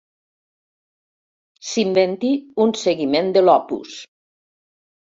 S'inventi un seguiment de l'Opus.